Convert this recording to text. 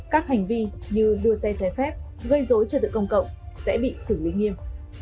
các hành vi như đua xe trái phép gây dối trật tự công cộng sẽ bị xử lý nghiêm